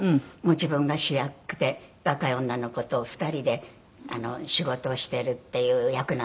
自分が主役で若い女の子と２人で仕事をしてるっていう役なんですけどね。